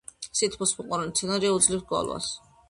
სითბოს მოყვარული მცენარეა, უძლებს გვალვას.